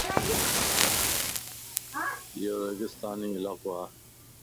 ايو ريگستاني علاقو وَ